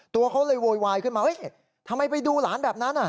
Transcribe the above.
ตัวเขาเลยโวยวายขึ้นมาทำไมไปดูหลานแบบนั้น